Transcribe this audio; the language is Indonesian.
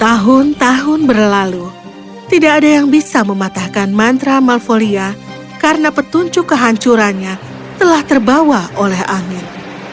tahun tahun berlalu tidak ada yang bisa mematahkan mantra malfolia karena petunjuk kehancurannya telah terbawa oleh angin